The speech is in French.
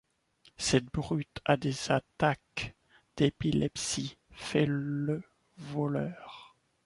Cette brute a des attaques d’épilepsie, fait le voleur.